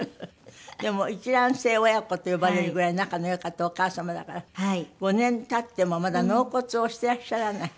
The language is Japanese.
でも一卵性親子と呼ばれるぐらい仲の良かったお母様だから５年経ってもまだ納骨をしてらっしゃらない？